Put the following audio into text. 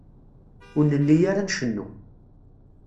Ur nelli ara ncennu.